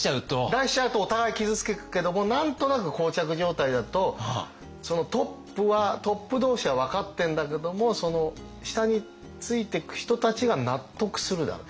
出しちゃうとお互い傷つくけども何となく膠着状態だとそのトップはトップ同士は分かってんだけどもその下についてく人たちが納得するだろう。